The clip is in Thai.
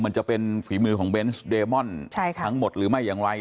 มันจะเป็นฝีมือของเบนส์เดมอนทั้งหมดหรือไม่อย่างไร